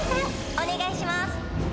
お願いします。